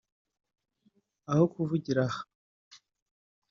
Aho tuvugira aha